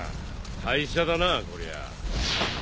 廃車だなこりゃ。